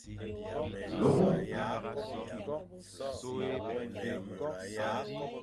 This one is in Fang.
Lomo.